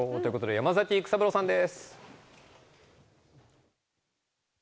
山崎育三郎さんです。